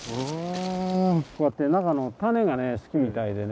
こうやって中の種がね好きみたいでね。